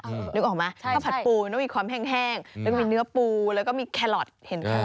อืมนึกออกไหมใช่ใช่ข้าวผัดปูมันต้องมีความแห้งแห้งแล้วก็มีเนื้อปูแล้วก็มีแครอทเห็นแครอทน่ะ